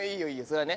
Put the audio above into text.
それはね。